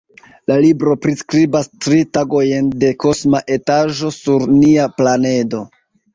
La libro priskribas tri tagojn de kosma estaĵo sur nia planedo.